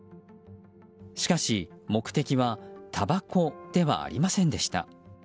しかし目的はたばこではありませんでした。